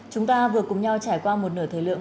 chúng ta vừa cùng nhau trải qua một nửa thời lượng